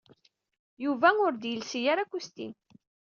Yuba ur d-yelsi ara akustim.